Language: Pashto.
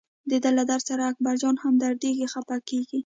دده له درد سره اکبرجان هم دردېږي خپه کېږي.